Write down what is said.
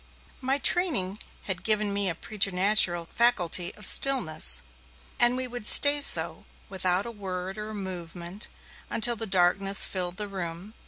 My training had given me a preternatural faculty of stillness, and we would stay so, without a word or a movement, until the darkness filled the room.